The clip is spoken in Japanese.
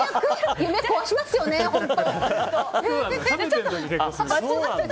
夢を壊しますよね、本当。